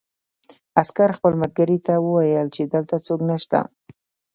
عسکر خپل ملګري ته وویل چې دلته څوک نشته